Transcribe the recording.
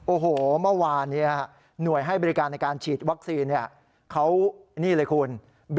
โอ้โหเมื่อวานหน่วยให้บริการในการฉีดวัคซีนเขานี่เลยคุณ